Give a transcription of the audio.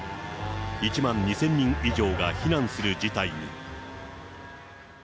１万２０００人以上が避難する事態に。